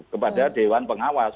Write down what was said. kepada dewan pengawas